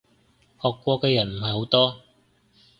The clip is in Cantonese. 學過嘅人唔係好多